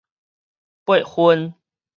八分